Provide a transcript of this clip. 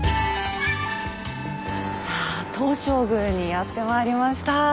さあ東照宮にやってまいりました。